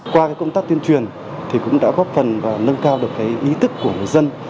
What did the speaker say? qua công tác tuyên truyền thì cũng đã góp phần và nâng cao được ý thức của người dân